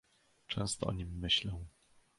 "Często o nim myślę."